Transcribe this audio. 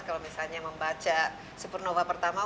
kalau misalnya membaca supernova pertama